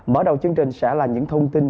mở đầu chương trình sẽ là những thông tin